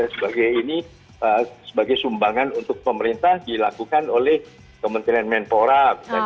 sebagai ini sebagai sumbangan untuk pemerintah dilakukan oleh kementerian menpora